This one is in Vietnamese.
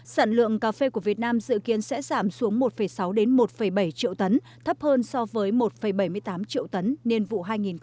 sản lượng cà phê của việt nam dự kiến sẽ giảm xuống một sáu một bảy triệu tấn thấp hơn so với một bảy mươi tám triệu tấn niên vụ hai nghìn hai mươi hai hai nghìn hai mươi ba